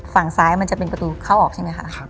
ฝั่งซ้ายมันจะเป็นประตูเข้าออกใช่ไหมคะ